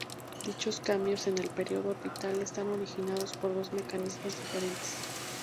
Dichos cambios en el período orbital están originados por dos mecanismos diferentes.